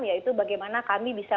yaitu bagaimana kami bisa